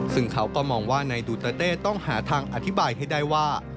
ซึ่งเขาก็มองว่านายดูเตอร์เต้ต้องหาทางอธิบายให้ได้ว่า